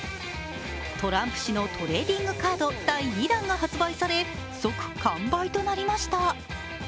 トランプ氏のトレーディングカード第２弾が発売され、即完売となりました。